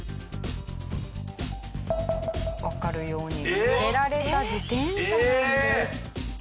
わかるように捨てられた自転車なんです。